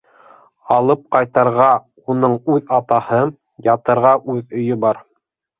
Алып ҡайтырға уның үҙ атаһы, ятырға үҙ өйө бар!